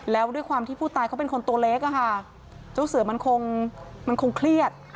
แล้วด้วยความที่ผู้ตายเขาเป็นคนตัวเล็กอะค่ะเจ้าเสือมันคงมันคงเครียด